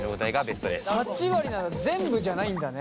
８割なんだ全部じゃないんだね。